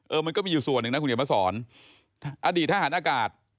มันก็มีอยู่ส่วนหนึ่งนะคุณเขียนมาสอนอดีตทหารอากาศ